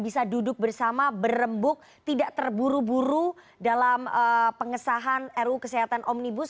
bisa duduk bersama berembuk tidak terburu buru dalam pengesahan ruu kesehatan omnibus